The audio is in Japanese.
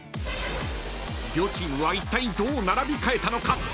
［両チームはいったいどう並び替えたのか？］